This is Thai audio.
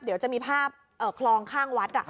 เดี๋ยวจะมีภาพคลองข้างวัด